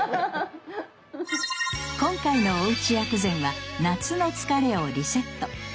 今回のおうち薬膳は「夏の疲れをリセット」。